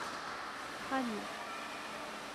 Qami.